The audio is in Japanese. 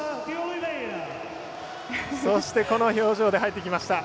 そして、この表情で入ってきました。